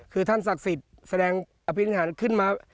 คือท่านศักดิ์สิทธิ์แสดงอภินิหารขึ้นมา